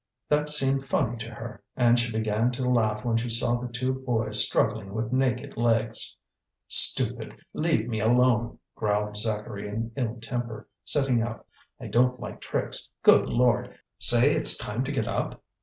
That seemed funny to her, and she began to laugh when she saw the two boys struggling with naked legs. "Stupid, leave me alone," growled Zacharie in ill temper, sitting up. "I don't like tricks. Good Lord! Say it's time to get up?"